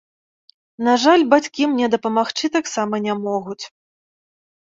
На жаль, бацькі мне дапамагчы таксама не могуць.